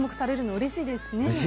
うれしいですね。